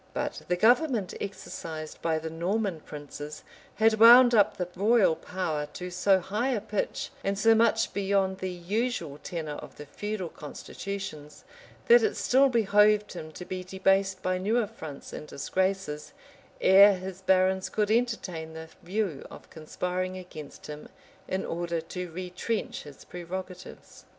But the government exercised by the Norman princes had wound up the royal power to so high a pitch, and so much beyond the usual tenor of the feudal constitutions, that it still behoved him to be debased by new affronts and disgraces, ere his barons could entertain the view of conspiring against him in order to retrench his prerogatives.